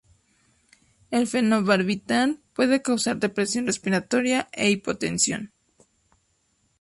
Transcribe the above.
El fenobarbital puede causar depresión respiratoria e hipotensión.